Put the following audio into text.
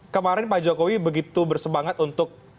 kemarin pak jokowi begitu bersemangat untuk